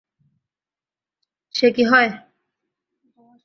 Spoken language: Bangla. সে কি হয়।